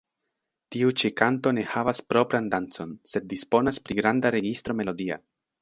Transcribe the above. Tiu ĉi kanto ne havas propran dancon, sed disponas pri granda registro melodia.